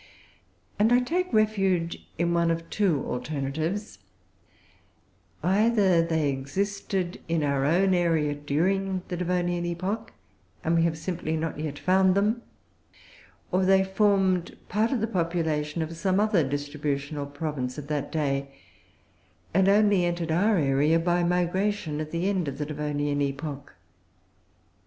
And I take refuge in one of two alternatives: either they existed in our own area during the Devonian epoch and we have simply not yet found them; or they formed part of the population of some other distributional province of that day, and only entered our area by migration at the end of the Devonian epoch.